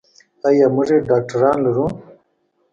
ایا موږ یې ډاکتران لرو.